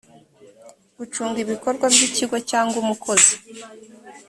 gucunga ibikorwa by’ikigo cyangwa umukozi